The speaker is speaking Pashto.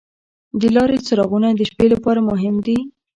د لارې څراغونه د شپې لپاره مهم دي.